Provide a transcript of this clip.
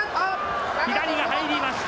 左が入りました。